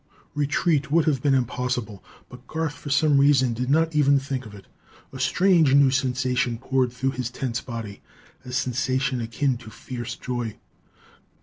Retreat would have been impossible, but Garth for some reason did not even think of it. A strange new sensation poured through his tense body, a sensation akin to fierce joy.